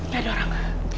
gak ada orang